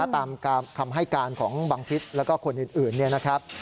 ตามคำให้การของบังฟิศแล้วก็คนอื่นเนี่ยนะครับ